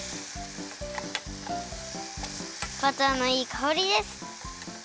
バターのいいかおりです。